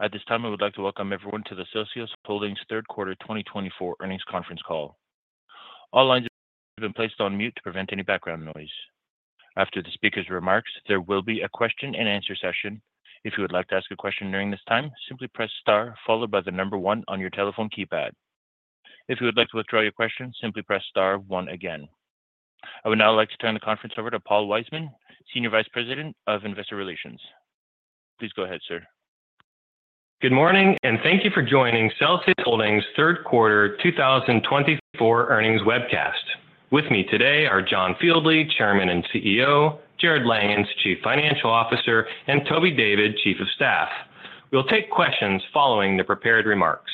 At this time, I would like to welcome everyone to the Celsius Holdings' Third Quarter 2024 Earnings Conference Call. All lines have been placed on mute to prevent any background noise. After the speaker's remarks, there will be a question and answer session. If you would like to ask a question during this time, simply press star, followed by the number one on your telephone keypad. If you would like to withdraw your question, simply press star, one again. I would now like to turn the conference over to Paul Wiseman, Senior Vice President of Investor Relations. Please go ahead, sir. Good morning, and thank you for joining Celsius Holdings' Third Quarter 2024 Earnings Webcast. With me today are John Fieldly, Chairman and CEO, Jarrod Langhans, Chief Financial Officer, and Toby David, Chief of Staff. We'll take questions following the prepared remarks.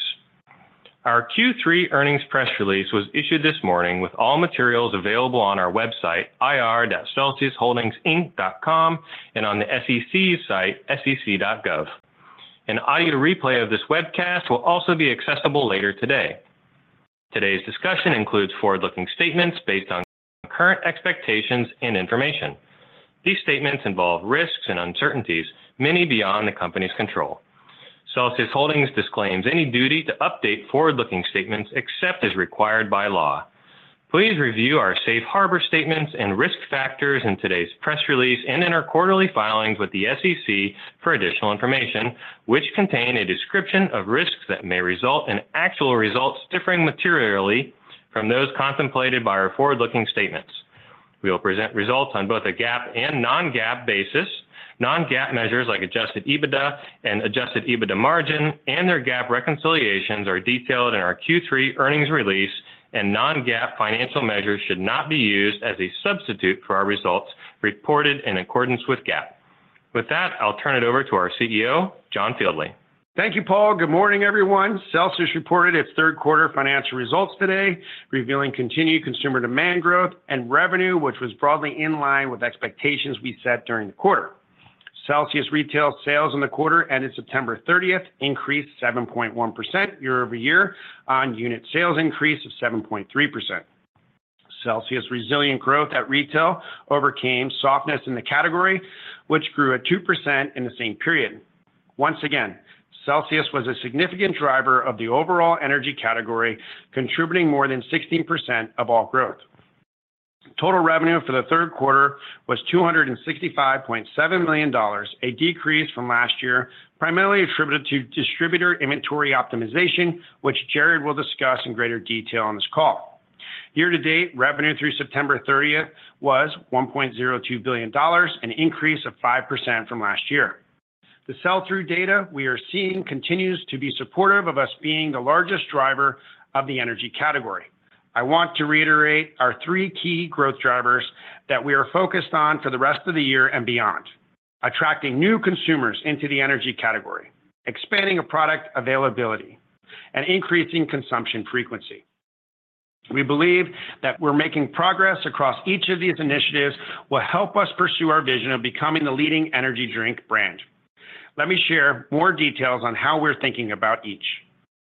Our Q3 earnings press release was issued this morning with all materials available on our website, ir.celsiusholdingsinc.com, and on the SEC's site, sec.gov. An audio replay of this webcast will also be accessible later today. Today's discussion includes forward-looking statements based on current expectations and information. These statements involve risks and uncertainties, many beyond the company's control. Celsius Holdings disclaims any duty to update forward-looking statements except as required by law. Please review our safe harbor statements and risk factors in today's press release and in our quarterly filings with the SEC for additional information, which contain a description of risks that may result in actual results differing materially from those contemplated by our forward-looking statements. We will present results on both a GAAP and non-GAAP basis. Non-GAAP measures like adjusted EBITDA and adjusted EBITDA margin and their GAAP reconciliations are detailed in our Q3 earnings release, and non-GAAP financial measures should not be used as a substitute for our results reported in accordance with GAAP. With that, I'll turn it over to our CEO, John Fieldly. Thank you, Paul. Good morning, everyone. Celsius reported its third quarter financial results today, revealing continued consumer demand growth and revenue, which was broadly in line with expectations we set during the quarter. Celsius retail sales in the quarter ended September 30th increased 7.1% year-over-year on unit sales increase of 7.3%. Celsius' resilient growth at retail overcame softness in the category, which grew at 2% in the same period. Once again, Celsius was a significant driver of the overall energy category, contributing more than 16% of all growth. Total revenue for the third quarter was $265.7 million, a decrease from last year, primarily attributed to distributor inventory optimization, which Jarrod will discuss in greater detail on this call. Year-to-date revenue through September 30th was $1.02 billion, an increase of 5% from last year. The sell-through data we are seeing continues to be supportive of us being the largest driver of the energy category. I want to reiterate our three key growth drivers that we are focused on for the rest of the year and beyond: attracting new consumers into the energy category, expanding product availability, and increasing consumption frequency. We believe that we're making progress across each of these initiatives will help us pursue our vision of becoming the leading energy drink brand. Let me share more details on how we're thinking about each.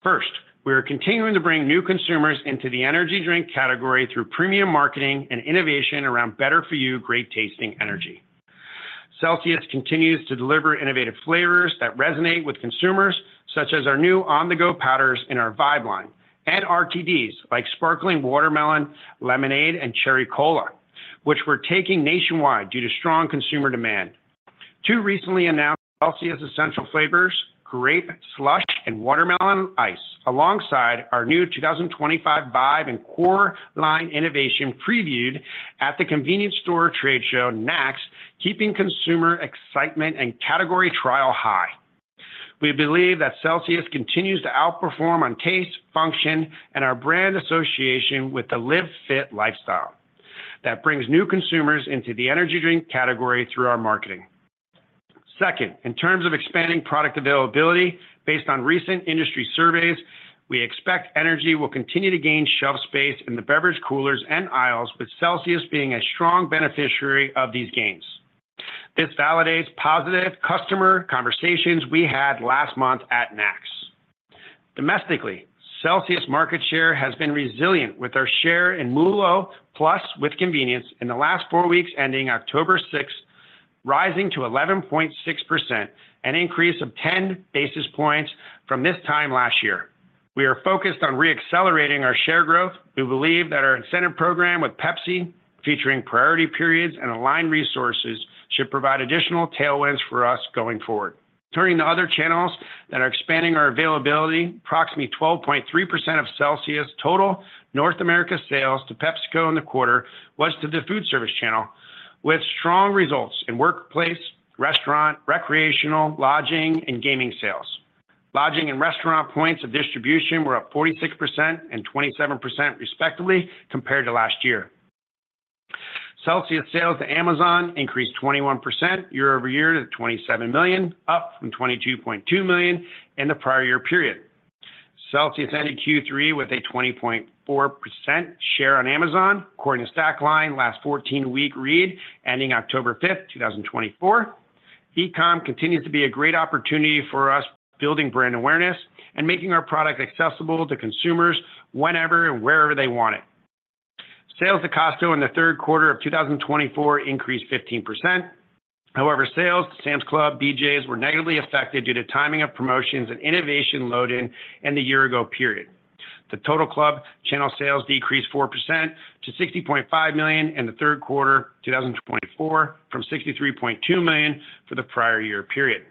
First, we are continuing to bring new consumers into the energy drink category through premium marketing and innovation around better-for-you, great-tasting energy. Celsius continues to deliver innovative flavors that resonate with consumers, such as our new on-the-go powders in our Vibe line and RTDs like Sparkling Watermelon, Lemonade, and Cherry Cola, which we're taking nationwide due to strong consumer demand. Two recently announced Celsius Essentials flavors, Grape Slush and Watermelon Ice, alongside our new 2025 Vibe and Core line innovation previewed at the convenience store trade show, NACS, keeping consumer excitement and category trial high. We believe that Celsius continues to outperform on taste, function, and our brand association Live Fit lifestyle that brings new consumers into the energy drink category through our marketing. Second, in terms of expanding product availability, based on recent industry surveys, we expect energy will continue to gain shelf space in the beverage coolers and aisles, with Celsius being a strong beneficiary of these gains. This validates positive customer conversations we had last month at NACS. Domestically, Celsius' market share has been resilient with our share in MULO Plus with Convenience in the last four weeks, ending October 6th, rising to 11.6%, an increase of 10 basis points from this time last year. We are focused on re-accelerating our share growth. We believe that our incentive program with Pepsi, featuring priority periods and aligned resources, should provide additional tailwinds for us going forward. Turning to other channels that are expanding our availability, approximately 12.3% of Celsius' total North America sales to PepsiCo in the quarter was to the food service channel, with strong results in workplace, restaurant, recreational, lodging, and gaming sales. Lodging and restaurant points of distribution were up 46% and 27% respectively compared to last year. Celsius' sales to Amazon increased 21% year-over-year to $27 million, up from $22.2 million in the prior year period. Celsius ended Q3 with a 20.4% share on Amazon, according to Stackline last 14-week read, ending October 5th, 2024. E-comm continues to be a great opportunity for us, building brand awareness and making our product accessible to consumers whenever and wherever they want it. Sales to Costco in the third quarter of 2024 increased 15%. However, sales to Sam's Club, BJ's were negatively affected due to timing of promotions and innovation load-in in the year-ago period. The Total Club channel sales decreased 4% to $60.5 million in the third quarter 2024, from $63.2 million for the prior year period.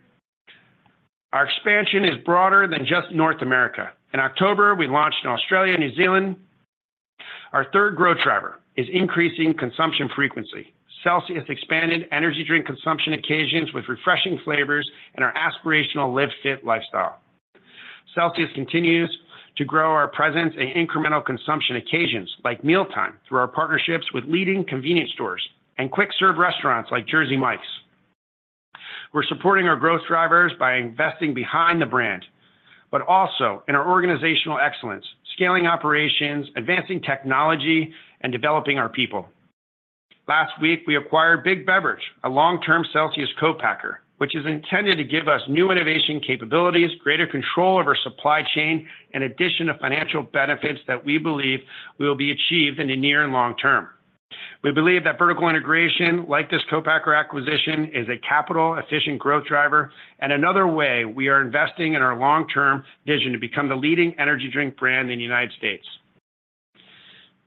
Our expansion is broader than just North America. In October, we launched in Australia and New Zealand. Our third growth driver is increasing consumption frequency. Celsius expanded energy drink consumption occasions with refreshing flavors and our Live Fit lifestyle. Celsius continues to grow our presence and incremental consumption occasions, like mealtime, through our partnerships with leading convenience stores and quick-serve restaurants like Jersey Mike's. We're supporting our growth drivers by investing behind the brand, but also in our organizational excellence, scaling operations, advancing technology, and developing our people. Last week, we acquired Big Beverages, a long-term Celsius co-packer, which is intended to give us new innovation capabilities, greater control of our supply chain, and addition of financial benefits that we believe will be achieved in the near and long term. We believe that vertical integration like this co-packer acquisition is a capital-efficient growth driver and another way we are investing in our long-term vision to become the leading energy drink brand in the United States.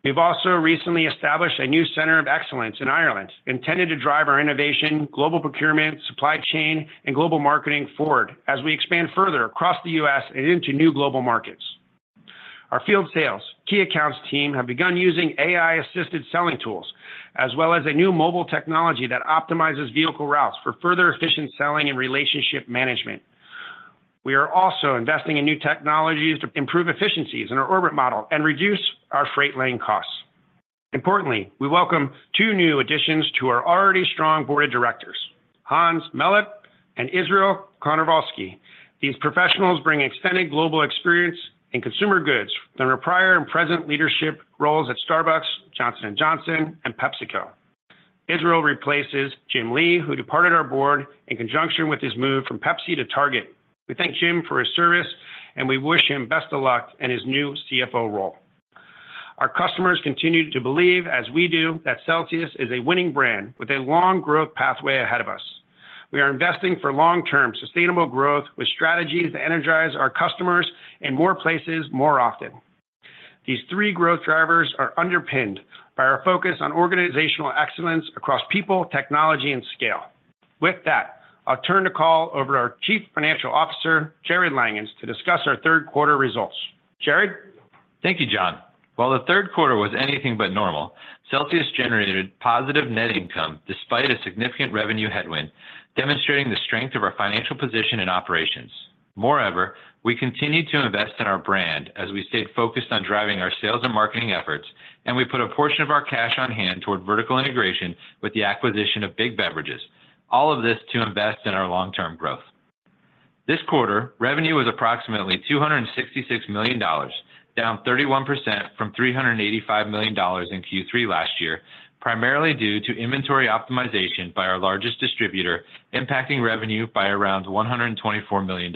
We've also recently established a new center of excellence in Ireland, intended to drive our innovation, global procurement, supply chain, and global marketing forward as we expand further across the U.S. and into new global markets. Our field sales, key accounts team have begun using AI-assisted selling tools, as well as a new mobile technology that optimizes vehicle routes for further efficient selling and relationship management. We are also investing in new technologies to improve efficiencies in our orbit model and reduce our freight hauling costs. Importantly, we welcome two new additions to our already strong board of directors: Hans Melotte and Israel Kontorovsky. These professionals bring extended global experience in consumer goods from their prior and present leadership roles at Starbucks, Johnson & Johnson, and PepsiCo. Israel replaces Jim Lee, who departed our board in conjunction with his move from Pepsi to Target. We thank Jim for his service, and we wish him best of luck in his new CFO role. Our customers continue to believe, as we do, that Celsius is a winning brand with a long growth pathway ahead of us. We are investing for long-term sustainable growth with strategies that energize our customers in more places, more often. These three growth drivers are underpinned by our focus on organizational excellence across people, technology, and scale. With that, I'll turn the call over to our Chief Financial Officer, Jarrod Langhans, to discuss our third quarter results. Jarrod? Thank you, John. While the third quarter was anything but normal, Celsius generated positive net income despite a significant revenue headwind, demonstrating the strength of our financial position and operations. Moreover, we continue to invest in our brand as we stayed focused on driving our sales and marketing efforts, and we put a portion of our cash on hand toward vertical integration with the acquisition of Big Beverages, all of this to invest in our long-term growth. This quarter, revenue was approximately $266 million, down 31% from $385 million in Q3 last year, primarily due to inventory optimization by our largest distributor, impacting revenue by around $124 million.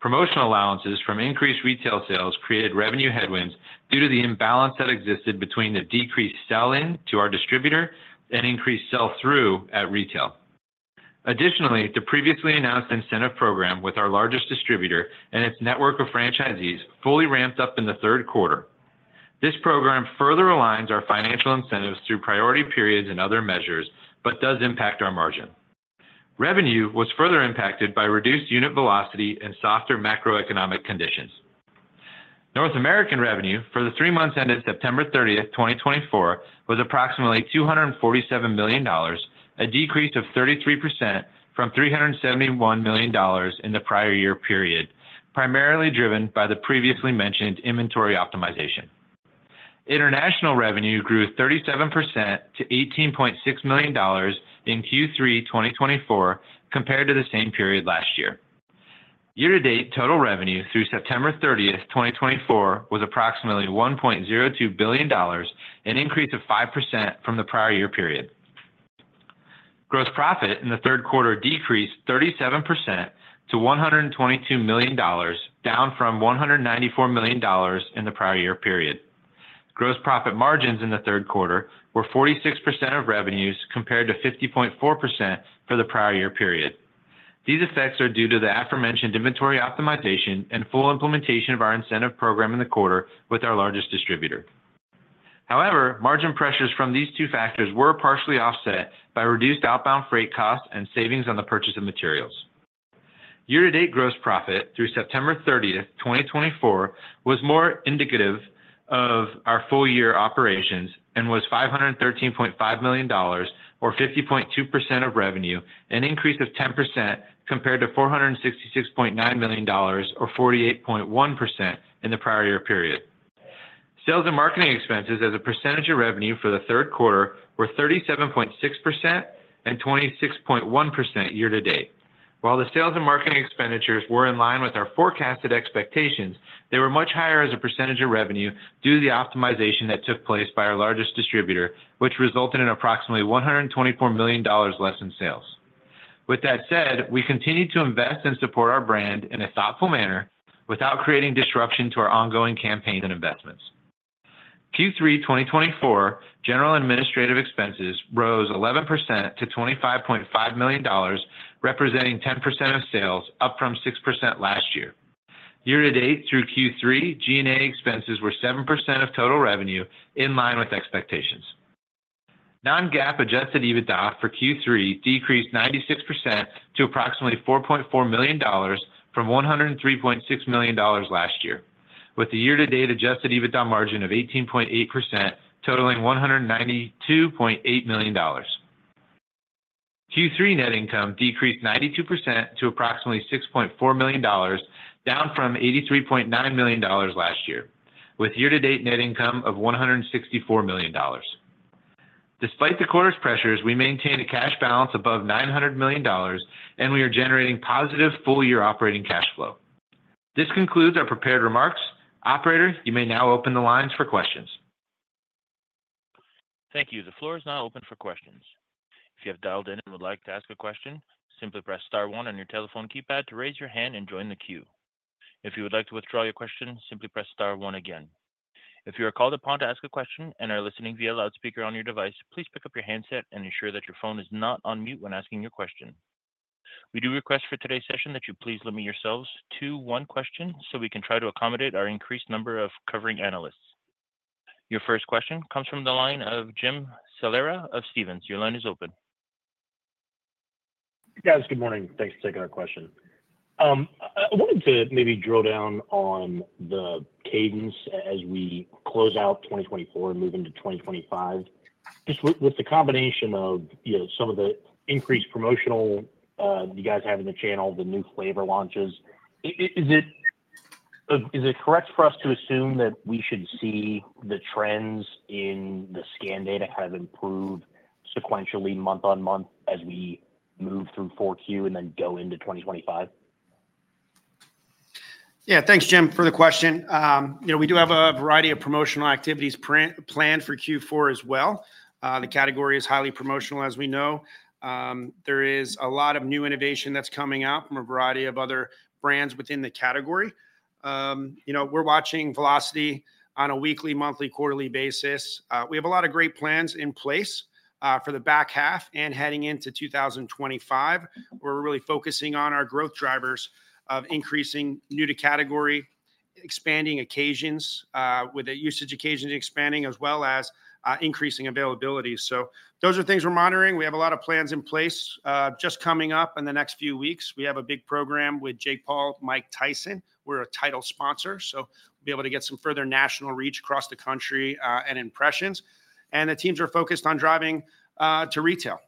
Promotional allowances from increased retail sales created revenue headwinds due to the imbalance that existed between the decreased sell-in to our distributor and increased sell-through at retail. Additionally, the previously announced incentive program with our largest distributor and its network of franchisees fully ramped up in the third quarter. This program further aligns our financial incentives through priority periods and other measures, but does impact our margin. Revenue was further impacted by reduced unit velocity and softer macroeconomic conditions. North American revenue for the three months ended September 30th, 2024, was approximately $247 million, a decrease of 33% from $371 million in the prior year period, primarily driven by the previously mentioned inventory optimization. International revenue grew 37% to $18.6 million in Q3 2024, compared to the same period last year. Year-to-date total revenue through September 30th, 2024, was approximately $1.02 billion, an increase of 5% from the prior year period. Gross profit in the third quarter decreased 37% to $122 million, down from $194 million in the prior year period. Gross profit margins in the third quarter were 46% of revenues, compared to 50.4% for the prior year period. These effects are due to the aforementioned inventory optimization and full implementation of our incentive program in the quarter with our largest distributor. However, margin pressures from these two factors were partially offset by reduced outbound freight costs and savings on the purchase of materials. Year-to-date gross profit through September 30th, 2024, was more indicative of our full year operations and was $513.5 million, or 50.2% of revenue, an increase of 10% compared to $466.9 million, or 48.1% in the prior year period. Sales and marketing expenses as a percentage of revenue for the third quarter were 37.6% and 26.1% year-to-date. While the sales and marketing expenditures were in line with our forecasted expectations, they were much higher as a percentage of revenue due to the optimization that took place by our largest distributor, which resulted in approximately $124 million less in sales. With that said, we continue to invest and support our brand in a thoughtful manner without creating disruption to our ongoing campaigns and investments. Q3 2024 general administrative expenses rose 11% to $25.5 million, representing 10% of sales, up from 6% last year. Year-to-date through Q3, G&A expenses were 7% of total revenue, in line with expectations. Non-GAAP adjusted EBITDA for Q3 decreased 96% to approximately $4.4 million from $103.6 million last year, with the year-to-date adjusted EBITDA margin of 18.8%, totaling $192.8 million. Q3 net income decreased 92% to approximately $6.4 million, down from $83.9 million last year, with year-to-date net income of $164 million. Despite the quarter's pressures, we maintain a cash balance above $900 million, and we are generating positive full-year operating cash flow. This concludes our prepared remarks. Operator, you may now open the lines for questions. Thank you. The floor is now open for questions. If you have dialed in and would like to ask a question, simply press star one on your telephone keypad to raise your hand and join the queue. If you would like to withdraw your question, simply press star one again. If you are called upon to ask a question and are listening via loudspeaker on your device, please pick up your handset and ensure that your phone is not on mute when asking your question. We do request for today's session that you please limit yourselves to one question so we can try to accommodate our increased number of covering analysts. Your first question comes from the line of Jim Salera of Stephens. Your line is open. Guys, good morning. Thanks for taking our question. I wanted to maybe drill down on the cadence as we close out 2024 and move into 2025. Just with the combination of some of the increased promotional you guys have in the channel, the new flavor launches, is it correct for us to assume that we should see the trends in the scan data kind of improve sequentially month on month as we move through 4Q and then go into 2025? Yeah. Thanks, Jim, for the question. We do have a variety of promotional activities planned for Q4 as well. The category is highly promotional, as we know. There is a lot of new innovation that's coming out from a variety of other brands within the category. We're watching velocity on a weekly, monthly, quarterly basis. We have a lot of great plans in place for the back half and heading into 2025. We're really focusing on our growth drivers of increasing new-to-category, expanding occasions, with the usage occasions expanding, as well as increasing availability. So those are things we're monitoring. We have a lot of plans in place just coming up in the next few weeks. We have a big program with Jake Paul, Mike Tyson. We're a title sponsor, so we'll be able to get some further national reach across the country and impressions. The teams are focused on driving to retail.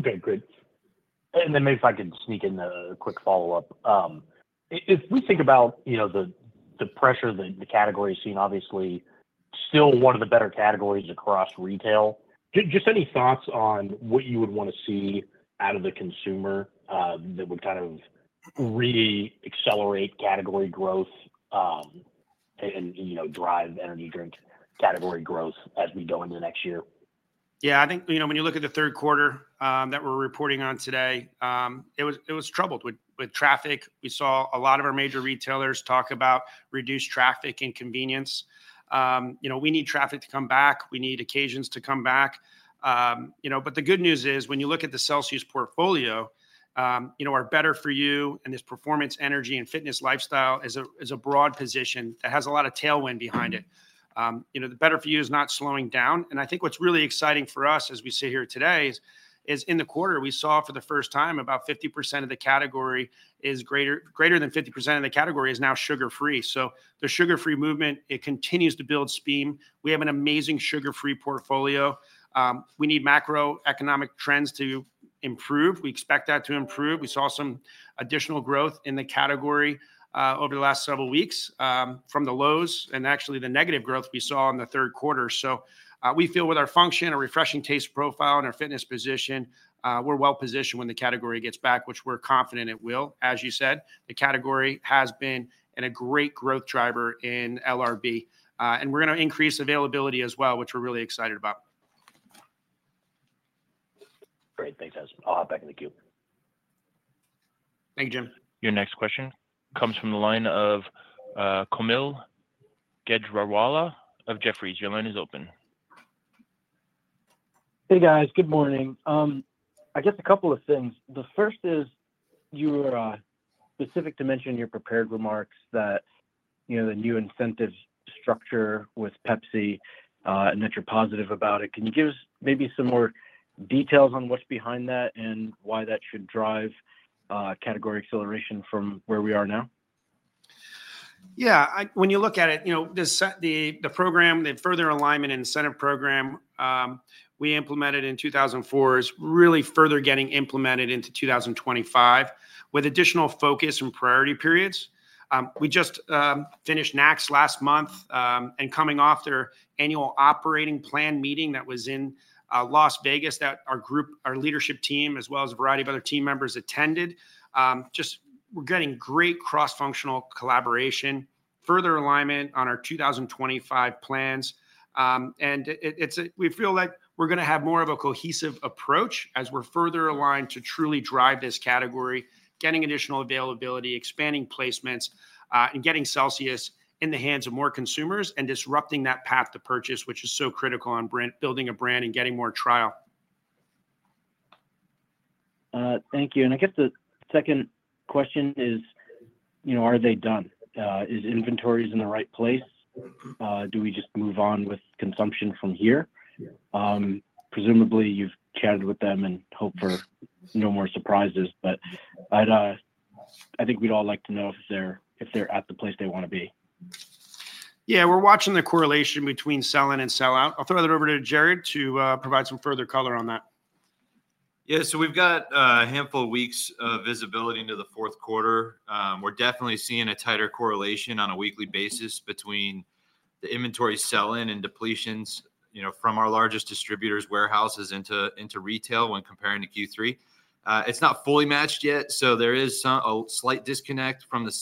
Okay. Great. And then maybe if I could sneak in a quick follow-up. If we think about the pressure that the category's seen, obviously still one of the better categories across retail. Just any thoughts on what you would want to see out of the consumer that would kind of really accelerate category growth and drive energy drink category growth as we go into next year? Yeah. I think when you look at the third quarter that we're reporting on today, it was troubled with traffic. We saw a lot of our major retailers talk about reduced traffic and convenience. We need traffic to come back. We need occasions to come back. But the good news is, when you look at the Celsius portfolio, our better for you and this performance, energy, and fitness lifestyle is a broad position that has a lot of tailwind behind it. The better for you is not slowing down. And I think what's really exciting for us, as we sit here today, is in the quarter, we saw for the first time about 50% of the category is greater than 50% of the category is now sugar-free. So the sugar-free movement, it continues to build steam. We have an amazing sugar-free portfolio. We need macroeconomic trends to improve. We expect that to improve. We saw some additional growth in the category over the last several weeks from the lows and actually the negative growth we saw in the third quarter. So we feel with our function, our refreshing taste profile, and our fitness position, we're well-positioned when the category gets back, which we're confident it will. As you said, the category has been a great growth driver in LRB. And we're going to increase availability as well, which we're really excited about. Great. Thanks, guys. I'll hop back in the queue. Thank you, Jim. Your next question comes from the line of Kaumil Gajrawala of Jefferies. Your line is open. Hey, guys. Good morning. I guess a couple of things. The first is you were specific to mention in your prepared remarks that the new incentive structure with Pepsi and that you're positive about it. Can you give us maybe some more details on what's behind that and why that should drive category acceleration from where we are now? Yeah. When you look at it, the program, the further alignment incentive program we implemented in 2004 is really further getting implemented into 2025 with additional focus and priority periods. We just finished NACS last month, and coming off their annual operating plan meeting that was in Las Vegas that our leadership team, as well as a variety of other team members, attended. Just, we're getting great cross-functional collaboration, further alignment on our 2025 plans. And we feel like we're going to have more of a cohesive approach as we're further aligned to truly drive this category, getting additional availability, expanding placements, and getting Celsius in the hands of more consumers and disrupting that path to purchase, which is so critical on building a brand and getting more trial. Thank you. And I guess the second question is, are they done? Is inventory in the right place? Do we just move on with consumption from here? Presumably, you've chatted with them and hope for no more surprises, but I think we'd all like to know if they're at the place they want to be. Yeah. We're watching the correlation between sell-in and sell-through. I'll throw that over to Jarrod to provide some further color on that. Yeah. So we've got a handful of weeks of visibility into the fourth quarter. We're definitely seeing a tighter correlation on a weekly basis between the inventory sell-in and depletions from our largest distributor's warehouses into retail when comparing to Q3. It's not fully matched yet, so there is a slight disconnect from the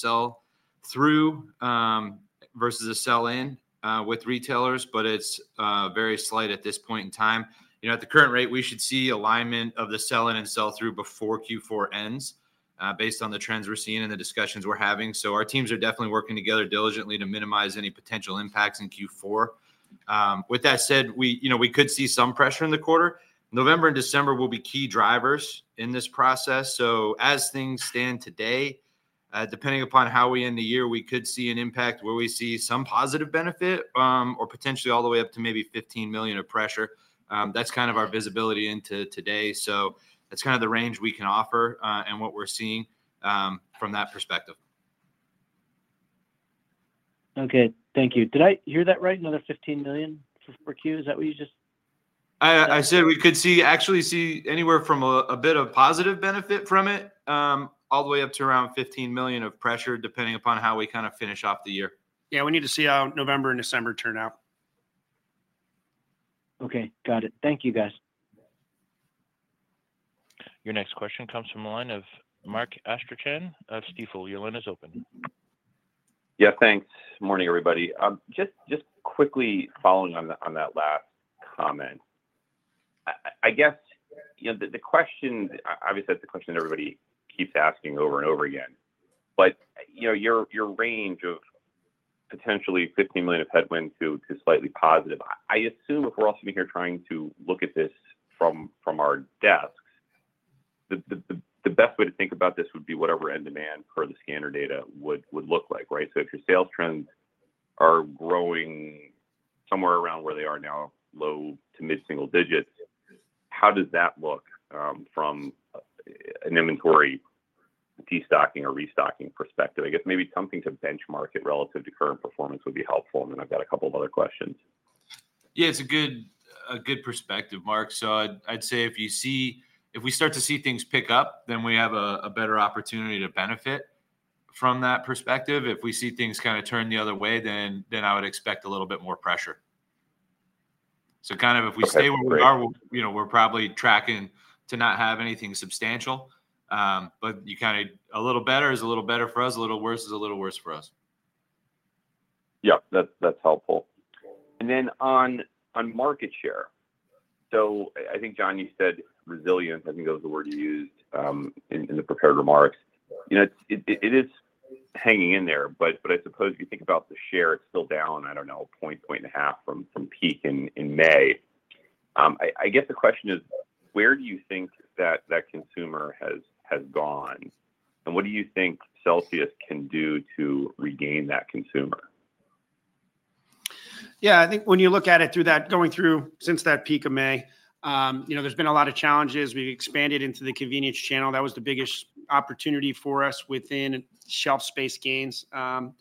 sell-through versus the sell-in with retailers, but it's very slight at this point in time. At the current rate, we should see alignment of the sell-in and sell-through before Q4 ends based on the trends we're seeing and the discussions we're having. So our teams are definitely working together diligently to minimize any potential impacts in Q4. With that said, we could see some pressure in the quarter. November and December will be key drivers in this process. So as things stand today, depending upon how we end the year, we could see an impact where we see some positive benefit or potentially all the way up to maybe $15 million of pressure. That's kind of our visibility into today. So that's kind of the range we can offer and what we're seeing from that perspective. Okay. Thank you. Did I hear that right? Another $15 million for Q? Is that what you just? I said we could actually see anywhere from a bit of positive benefit from it all the way up to around $15 million of pressure, depending upon how we kind of finish off the year. Yeah. We need to see how November and December turn out. Okay. Got it. Thank you, guys. Your next question comes from the line of Mark Astrachan of Stifel. Your line is open. Yeah. Thanks. Morning, everybody. Just quickly following on that last comment, I guess the question obviously, that's the question that everybody keeps asking over and over again. But your range of potentially $15 million of headwinds to slightly positive, I assume if we're all sitting here trying to look at this from our desks, the best way to think about this would be whatever end demand per the scanner data would look like, right? So if your sales trends are growing somewhere around where they are now, low to mid-single digits, how does that look from an inventory destocking or restocking perspective? I guess maybe something to benchmark it relative to current performance would be helpful. And then I've got a couple of other questions. Yeah. It's a good perspective, Mark. So I'd say if we start to see things pick up, then we have a better opportunity to benefit from that perspective. If we see things kind of turn the other way, then I would expect a little bit more pressure. So kind of if we stay where we are, we're probably tracking to not have anything substantial. But a little better is a little better for us. A little worse is a little worse for us. Yeah. That's helpful, and then on market share, so I think, John, you said resilience. I think that was the word you used in the prepared remarks. It is hanging in there, but I suppose if you think about the share, it's still down, I don't know, a point, point and a half from peak in May. I guess the question is, where do you think that consumer has gone, and what do you think Celsius can do to regain that consumer? Yeah. I think when you look at it through that, going through since that peak of May, there's been a lot of challenges. We've expanded into the convenience channel. That was the biggest opportunity for us within shelf space gains, and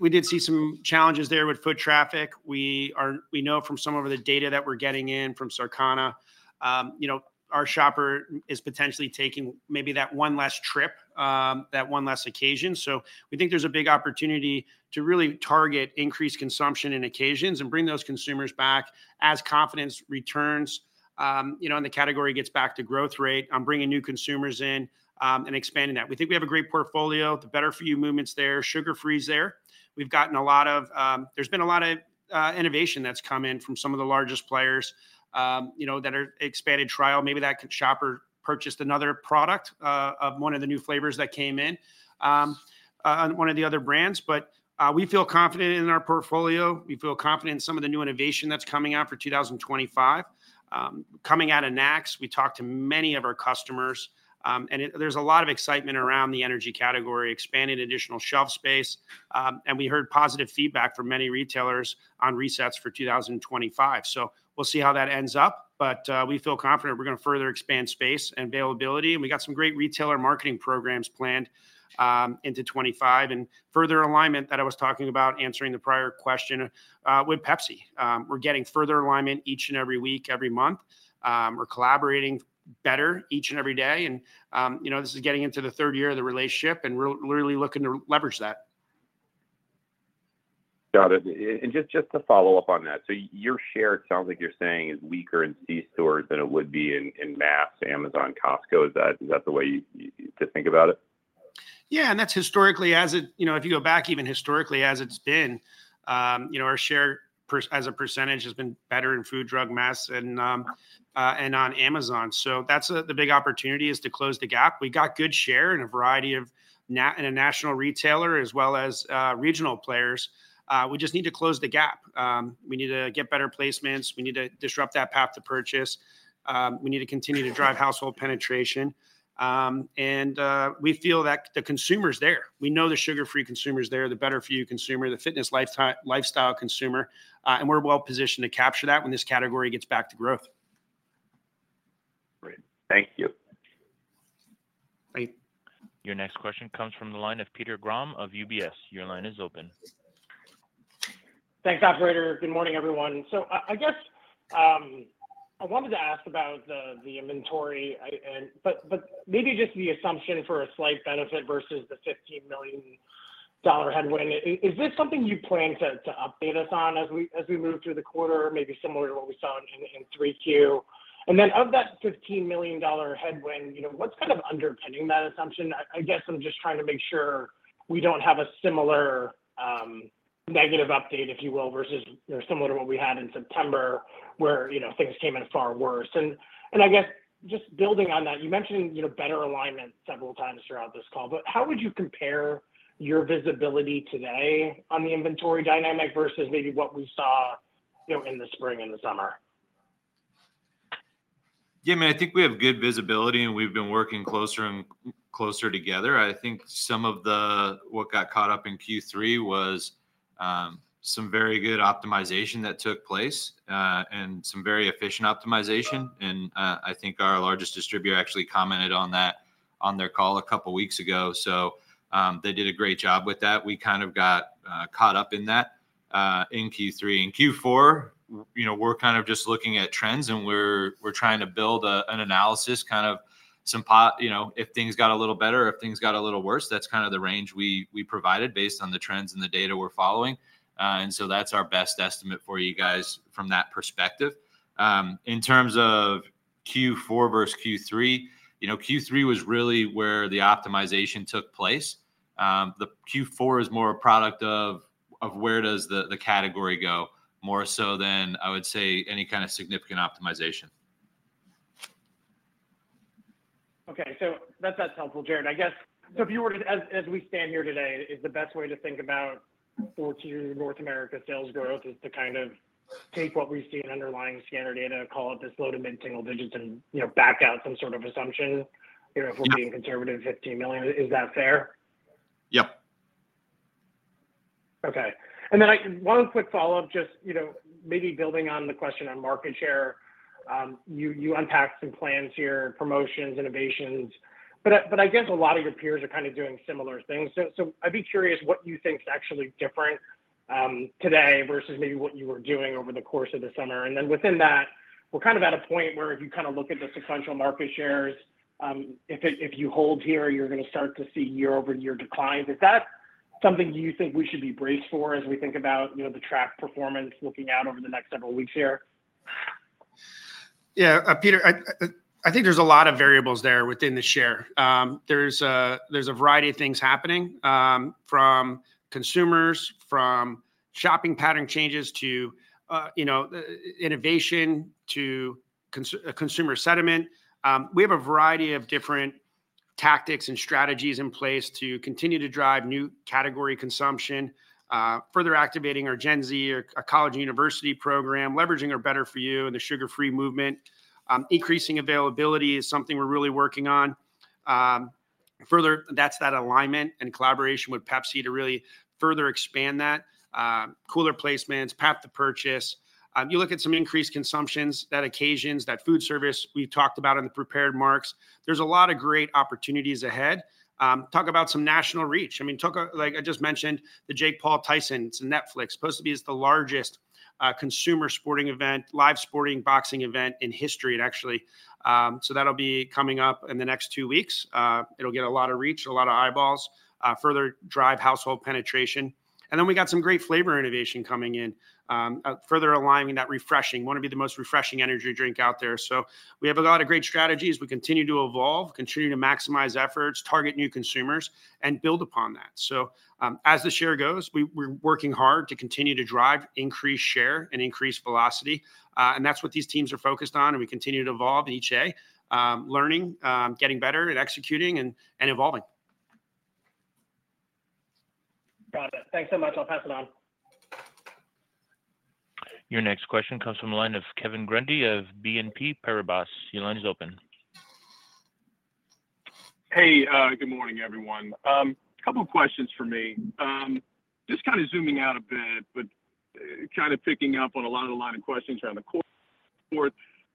we did see some challenges there with foot traffic. We know from some of the data that we're getting in from Circana, our shopper is potentially taking maybe that one less trip, that one less occasion. So we think there's a big opportunity to really target increased consumption in occasions and bring those consumers back as confidence returns and the category gets back to growth rate, bringing new consumers in and expanding that. We think we have a great portfolio, the better-for-you movements there, sugar-frees there. We've gotten a lot. There's been a lot of innovation that's come in from some of the largest players that are expanded trial. Maybe that shopper purchased another product of one of the new flavors that came in on one of the other brands. But we feel confident in our portfolio. We feel confident in some of the new innovation that's coming out for 2025. Coming out of NACS, we talked to many of our customers, and there's a lot of excitement around the energy category, expanding additional shelf space. And we heard positive feedback from many retailers on resets for 2025. So we'll see how that ends up. But we feel confident we're going to further expand space and availability. And we got some great retailer marketing programs planned into 2025 and further alignment that I was talking about, answering the prior question with Pepsi. We're getting further alignment each and every week, every month. We're collaborating better each and every day, and this is getting into the third year of the relationship and really looking to leverage that. Got it. And just to follow up on that, so your share, it sounds like you're saying, is weaker in C-stores than it would be in mass, Amazon, Costco. Is that the way to think about it? Yeah. And that's historically, as if you go back, even historically, as it's been, our share as a percentage has been better in food, drug, mass, and on Amazon. So that's the big opportunity is to close the gap. We got good share in a variety of national retailers as well as regional players. We just need to close the gap. We need to get better placements. We need to disrupt that path to purchase. We need to continue to drive household penetration. And we feel that the consumer's there. We know the sugar-free consumer's there, the better for you consumer, the fitness lifestyle consumer. And we're well-positioned to capture that when this category gets back to growth. Great. Thank you. Thank you. Your next question comes from the line of Peter Grom of UBS. Your line is open. Thanks, operator. Good morning, everyone. So I guess I wanted to ask about the inventory, but maybe just the assumption for a slight benefit versus the $15 million headwind. Is this something you plan to update us on as we move through the quarter, maybe similar to what we saw in 3Q? And then of that $15 million headwind, what's kind of underpinning that assumption? I guess I'm just trying to make sure we don't have a similar negative update, if you will, versus similar to what we had in September where things came in far worse. And I guess just building on that, you mentioned better alignment several times throughout this call. But how would you compare your visibility today on the inventory dynamic versus maybe what we saw in the spring and the summer? Yeah. I mean, I think we have good visibility, and we've been working closer and closer together. I think some of what got caught up in Q3 was some very good optimization that took place and some very efficient optimization. And I think our largest distributor actually commented on that on their call a couple of weeks ago. So they did a great job with that. We kind of got caught up in that in Q3. In Q4, we're kind of just looking at trends, and we're trying to build an analysis, kind of if things got a little better or if things got a little worse. That's kind of the range we provided based on the trends and the data we're following. And so that's our best estimate for you guys from that perspective. In terms of Q4 versus Q3, Q3 was really where the optimization took place. The Q4 is more a product of where does the category go more so than I would say any kind of significant optimization. Okay, so that's helpful, Jarrod. I guess, so if you were to, as we stand here today, is the best way to think about Q2 North America sales growth is to kind of take what we see in underlying scanner data, call it this low to mid-single digits, and back out some sort of assumption if we're being conservative, $15 million. Is that fair? Yep. Okay. And then one quick follow-up, just maybe building on the question on market share. You unpacked some plans here, promotions, innovations. But I guess a lot of your peers are kind of doing similar things. So I'd be curious what you think is actually different today versus maybe what you were doing over the course of the summer. And then within that, we're kind of at a point where if you kind of look at the sequential market shares, if you hold here, you're going to start to see year-over-year declines. Is that something you think we should be braced for as we think about the track performance looking out over the next several weeks here? Yeah. Peter, I think there's a lot of variables there within the share. There's a variety of things happening from consumers, from shopping pattern changes to innovation to consumer sentiment. We have a variety of different tactics and strategies in place to continue to drive new category consumption, further activating our Gen Z, our college and university program, leveraging our better for you and the sugar-free movement. Increasing availability is something we're really working on. Further, that's that alignment and collaboration with Pepsi to really further expand that, cooler placements, path to purchase. You look at some increased consumptions, that occasions, that food service we talked about in the prepared remarks. There's a lot of great opportunities ahead. Talk about some national reach. I mean, like I just mentioned, the Jake Paul, Tyson's Netflix supposed to be the largest consumer sporting event, live sporting boxing event in history, actually. So that'll be coming up in the next two weeks. It'll get a lot of reach, a lot of eyeballs, further drive household penetration. And then we got some great flavor innovation coming in, further aligning that refreshing. We want to be the most refreshing energy drink out there. So we have a lot of great strategies. We continue to evolve, continue to maximize efforts, target new consumers, and build upon that. So as the share goes, we're working hard to continue to drive increased share and increased velocity. And that's what these teams are focused on. And we continue to evolve in each day, learning, getting better at executing, and evolving. Got it. Thanks so much. I'll pass it on. Your next question comes from the line of Kevin Grundy of BNP Paribas. Your line is open. Hey, good morning, everyone. A couple of questions for me. Just kind of zooming out a bit, but kind of picking up on a lot of the line of questions around the quarter,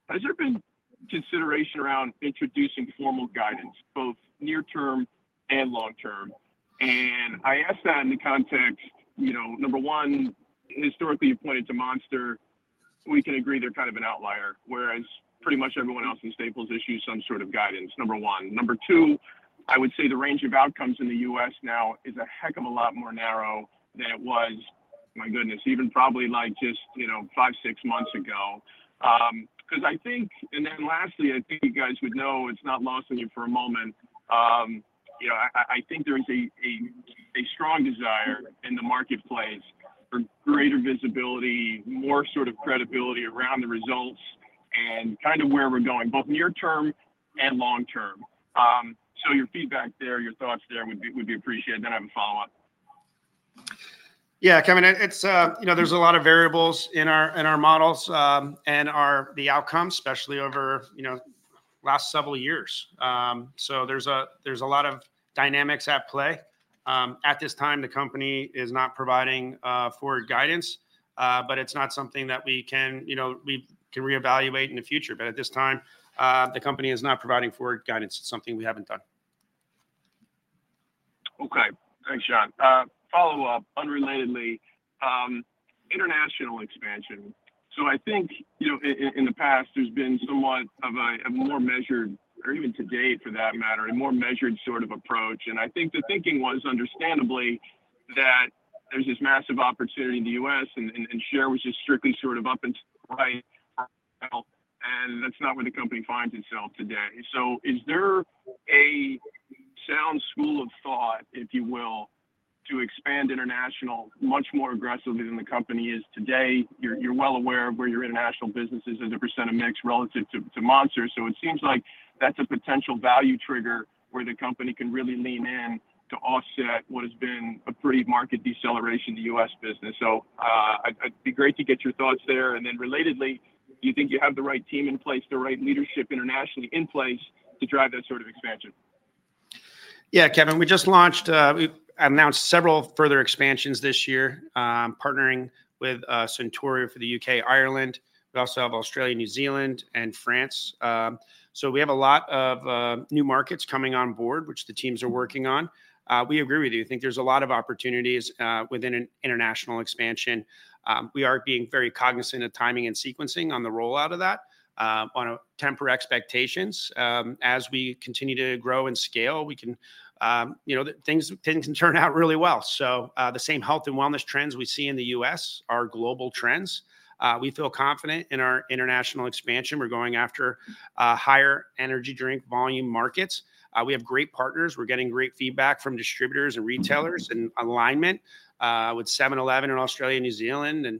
has there been consideration around introducing formal guidance, both near-term and long-term? And I ask that in the context, number one, historically, you pointed to Monster. We can agree they're kind of an outlier, whereas pretty much everyone else in staples issues some sort of guidance, number one. Number two, I would say the range of outcomes in the U.S. now is a heck of a lot more narrow than it was, my goodness, even probably like just five, six months ago. Because I think, and then lastly, I think you guys would know it's not lost on you for a moment. I think there is a strong desire in the marketplace for greater visibility, more sort of credibility around the results, and kind of where we're going, both near-term and long-term. So your feedback there, your thoughts there would be appreciated. Then I have a follow-up. Yeah. Kevin, there's a lot of variables in our models and the outcomes, especially over the last several years. So there's a lot of dynamics at play. At this time, the company is not providing forward guidance, but it's not something that we can reevaluate in the future. But at this time, the company is not providing forward guidance. It's something we haven't done. Okay. Thanks, John. Follow-up unrelatedly, international expansion. So I think in the past, there's been somewhat of a more measured, or even today for that matter, a more measured sort of approach. I think the thinking was, understandably, that there's this massive opportunity in the U.S., and share was just strictly sort of up and right. That's not where the company finds itself today. So is there a sound school of thought, if you will, to expand international much more aggressively than the company is today? You're well aware of where your international businesses as a percent of mix relative to Monster. So it seems like that's a potential value trigger where the company can really lean in to offset what has been a pretty market deceleration in the U.S. business. So it'd be great to get your thoughts there. Then relatedly, do you think you have the right team in place, the right leadership internationally in place to drive that sort of expansion? Yeah, Kevin, we just launched, announced several further expansions this year, partnering with Suntory for the U.K., Ireland. We also have Australia, New Zealand, and France. So we have a lot of new markets coming on board, which the teams are working on. We agree with you. I think there's a lot of opportunities within an international expansion. We are being very cognizant of timing and sequencing on the rollout of that, to temper expectations. As we continue to grow and scale, we can, things can turn out really well. So the same health and wellness trends we see in the U.S. are global trends. We feel confident in our international expansion. We're going after higher energy drink volume markets. We have great partners. We're getting great feedback from distributors and retailers and alignment with 7-Eleven in Australia, New Zealand, and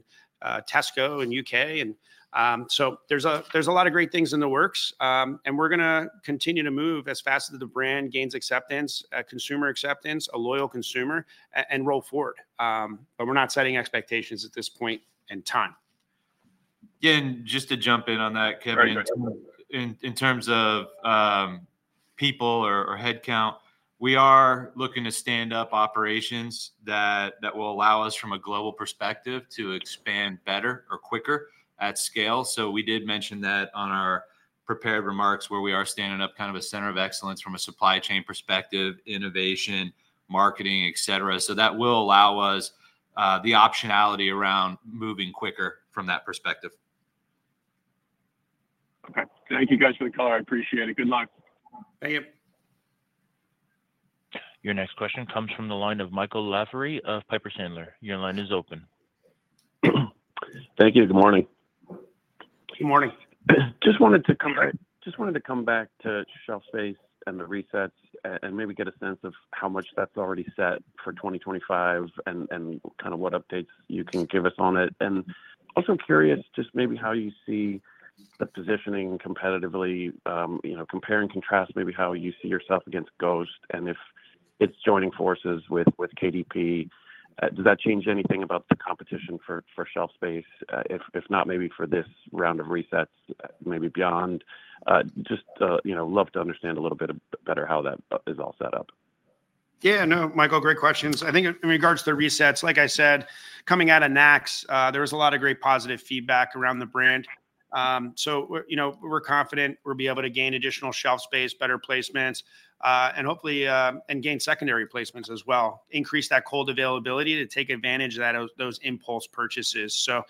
Tesco in the U.K. And so there's a lot of great things in the works. And we're going to continue to move as fast as the brand gains acceptance, consumer acceptance, a loyal consumer, and roll forward. But we're not setting expectations at this point in time. Yeah. And just to jump in on that, Kevin, in terms of people or headcount, we are looking to stand up operations that will allow us, from a global perspective, to expand better or quicker at scale. So we did mention that on our prepared remarks where we are standing up kind of a center of excellence from a supply chain perspective, innovation, marketing, etc. So that will allow us the optionality around moving quicker from that perspective. Okay. Thank you guys for the call. I appreciate it. Good luck. Thank you. Your next question comes from the line of Michael Lavery of Piper Sandler. Your line is open. Thank you. Good morning. Good morning. Just wanted to come back to shelf space and the resets and maybe get a sense of how much that's already set for 2025 and kind of what updates you can give us on it. Also curious just maybe how you see the positioning competitively, compare and contrast maybe how you see yourself against Ghost and if it's joining forces with KDP. Does that change anything about the competition for shelf space? If not, maybe for this round of resets, maybe beyond. Just love to understand a little bit better how that is all set up. Yeah. No, Michael, great questions. I think in regards to the resets, like I said, coming out of NACS, there was a lot of great positive feedback around the brand. So we're confident we'll be able to gain additional shelf space, better placements, and hopefully gain secondary placements as well, increase that cold availability to take advantage of those impulse purchases. So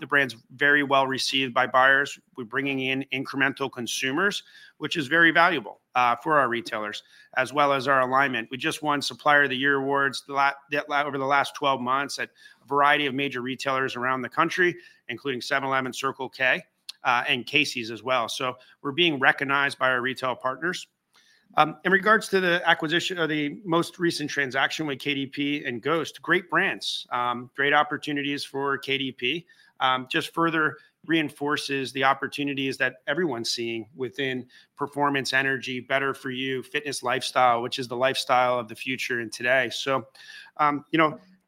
the brand's very well received by buyers. We're bringing in incremental consumers, which is very valuable for our retailers, as well as our alignment. We just won Supplier of the Year awards over the last 12 months at a variety of major retailers around the country, including 7-Eleven, Circle K, and Casey's as well. So we're being recognized by our retail partners. In regards to the acquisition of the most recent transaction with KDP and Ghost, great brands, great opportunities for KDP. Just further reinforces the opportunities that everyone's seeing within performance, energy, better for you, fitness lifestyle, which is the lifestyle of the future and today. So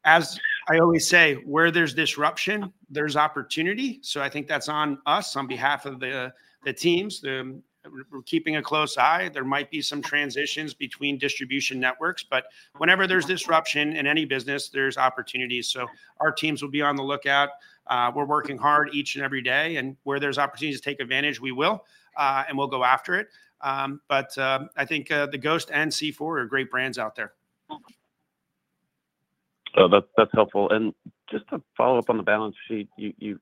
as I always say, where there's disruption, there's opportunity. So I think that's on us on behalf of the teams. We're keeping a close eye. There might be some transitions between distribution networks, but whenever there's disruption in any business, there's opportunities. So our teams will be on the lookout. We're working hard each and every day. And where there's opportunities to take advantage, we will, and we'll go after it. But I think the Ghost and C4 are great brands out there. So that's helpful. And just to follow up on the balance sheet, you've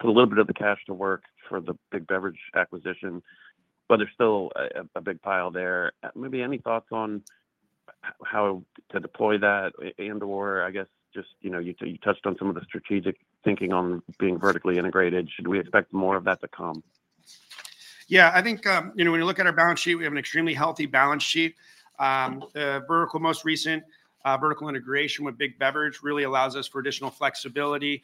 put a little bit of the cash to work for the Big Beverages acquisition, but there's still a big pile there. Maybe any thoughts on how to deploy that and/or, I guess, just you touched on some of the strategic thinking on being vertically integrated. Should we expect more of that to come? Yeah. I think when you look at our balance sheet, we have an extremely healthy balance sheet. The most recent vertical Integration with Big Beverages really allows us for additional flexibility,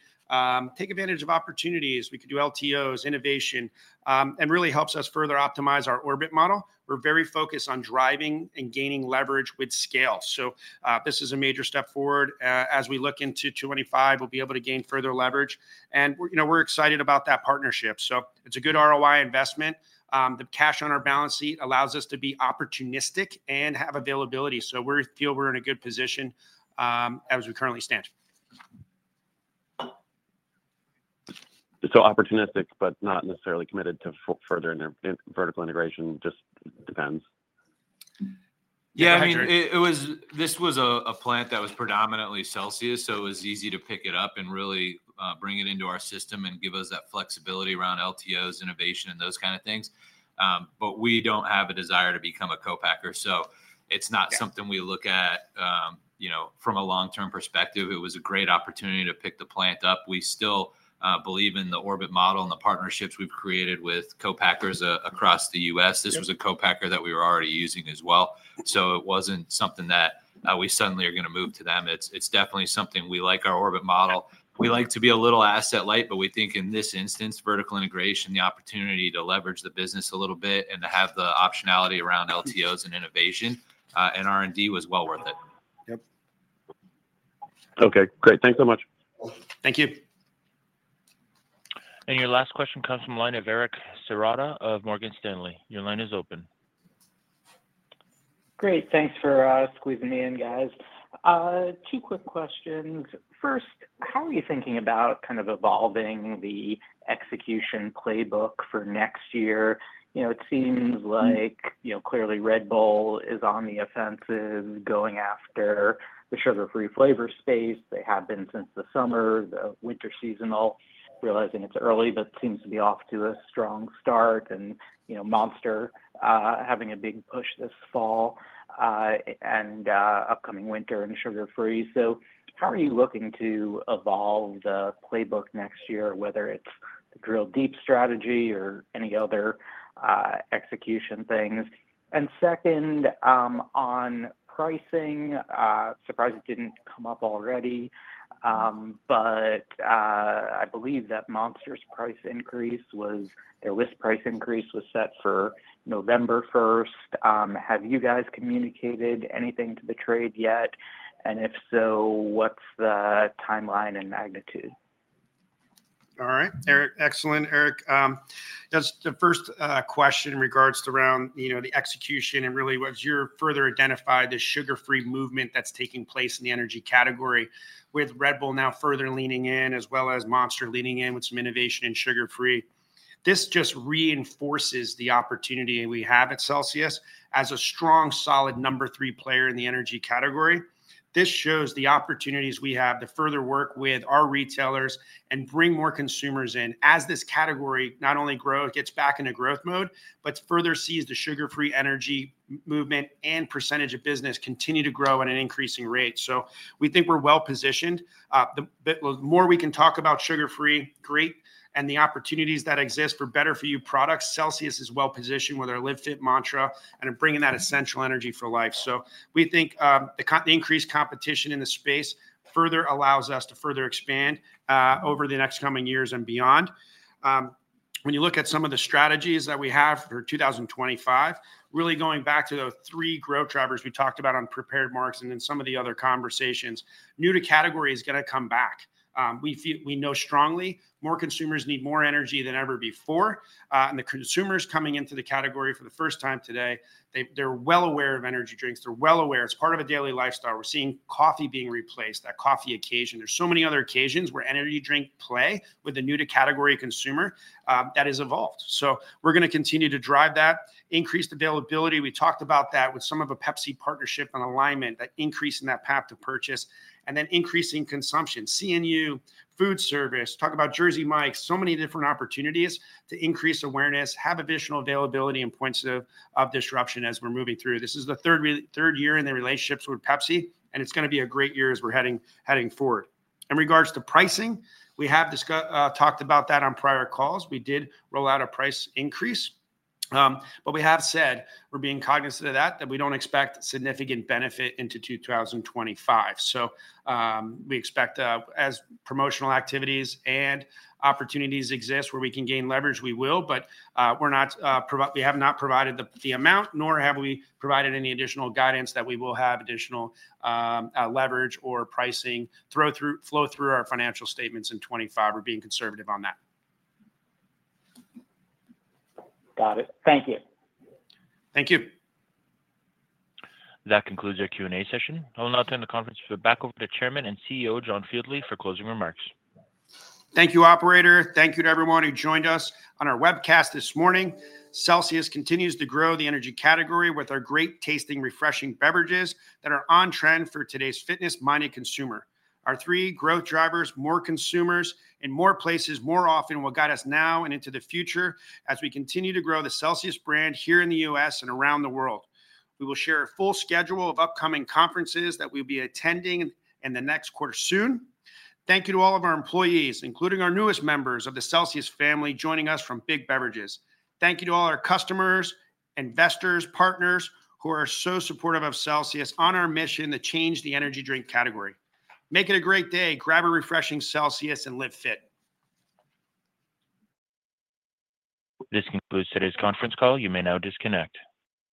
take advantage of opportunities. We could do LTOs, innovation, and really helps us further optimize our orbit model. We're very focused on driving and gaining leverage with scale. So this is a major step forward. As we look into 2025, we'll be able to gain further leverage. And we're excited about that partnership. So it's a good ROI investment. The cash on our balance sheet allows us to be opportunistic and have availability. So we feel we're in a good position as we currently stand. So opportunistic, but not necessarily committed to further vertical integration. Just depends? Yeah. I mean, this was a plant that was predominantly Celsius. So it was easy to pick it up and really bring it into our system and give us that flexibility around LTOs, innovation, and those kind of things. But we don't have a desire to become a co-packer. So it's not something we look at from a long-term perspective. It was a great opportunity to pick the plant up. We still believe in the orbit model and the partnerships we've created with co-packers across the U.S. This was a co-packer that we were already using as well. So it wasn't something that we suddenly are going to move to them. It's definitely something we like our orbit model. We like to be a little asset-light, but we think in this instance, vertical integration, the opportunity to leverage the business a little bit and to have the optionality around LTOs and innovation and R&D was well worth it. Yep. Okay. Great. Thanks so much. Thank you. Your last question comes from the line of Eric Serotta of Morgan Stanley. Your line is open. Great. Thanks for squeezing me in, guys. Two quick questions. First, how are you thinking about kind of evolving the execution playbook for next year? It seems like clearly Red Bull is on the offensive going after the sugar-free flavor space. They have been since the summer, the winter seasonal, realizing it's early, but seems to be off to a strong start. Monster having a big push this fall and upcoming winter and sugar-free. So how are you looking to evolve the playbook next year, whether it's the drill-deep strategy or any other execution things? Second, on pricing, surprise it didn't come up already, but I believe that Monster's price increase was their list price increase was set for November 1st. Have you guys communicated anything to the trade yet? And if so, what's the timeline and magnitude? All right. Eric, excellent. Eric, that's the first question in regards to around the execution and really what you're further identified, the sugar-free movement that's taking place in the energy category with Red Bull now further leaning in, as well as Monster leaning in with some innovation in sugar-free. This just reinforces the opportunity we have at Celsius as a strong, solid number three player in the energy category. This shows the opportunities we have to further work with our retailers and bring more consumers in as this category not only grows, gets back into growth mode, but further sees the sugar-free energy movement and percentage of business continue to grow at an increasing rate. So we think we're well positioned. The more we can talk about sugar-free, great, and the opportunities that exist for better-for-you products, Celsius is well positioned our Live Fit mantra and bringing that essential energy for life, so we think the increased competition in the space further allows us to further expand over the next coming years and beyond. When you look at some of the strategies that we have for 2025, really going back to those three growth drivers we talked about on prepared remarks and in some of the other conversations, new-to-category is going to come back strong. We know more consumers need more energy than ever before, and the consumers coming into the category for the first time today, they're well aware of energy drinks. They're well aware. It's part of a daily lifestyle. We're seeing coffee being replaced, that coffee occasion. There's so many other occasions where energy drink play with a new to category consumer that has evolved, so we're going to continue to drive that increased availability. We talked about that with some of a Pepsi partnership and alignment, that increase in that path to purchase, and then increasing consumption, C&U, food service, talk about Jersey Mike's, so many different opportunities to increase awareness, have additional availability and points of disruption as we're moving through. This is the third year in the relationships with Pepsi, and it's going to be a great year as we're heading forward. In regards to pricing, we have talked about that on prior calls. We did roll out a price increase, but we have said we're being cognizant of that, that we don't expect significant benefit into 2025. We expect as promotional activities and opportunities exist where we can gain leverage, we will, but we have not provided the amount, nor have we provided any additional guidance that we will have additional leverage or pricing flow through our financial statements in 2025. We're being conservative on that. Got it. Thank you. Thank you. That concludes our Q&A session. I'll now turn the conference back over to Chairman and CEO, John Fieldly, for closing remarks. Thank you, Operator. Thank you to everyone who joined us on our webcast this morning. Celsius continues to grow the energy category with our great tasting, refreshing beverages that are on trend for today's fitness-minded consumer. Our three growth drivers, more consumers in more places, more often will guide us now and into the future as we continue to grow the Celsius brand here in the U.S. and around the world. We will share a full schedule of upcoming conferences that we'll be attending in the next quarter soon. Thank you to all of our employees, including our newest members of the Celsius family joining us from Big Beverages. Thank you to all our customers, investors, partners who are so supportive of Celsius on our mission to change the energy drink category. Make it a great day. Grab a refreshing Celsius and Live Fit. This concludes today's conference call. You may now disconnect.